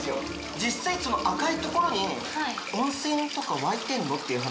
実際その赤いところに温泉とか湧いてるの？っていう話。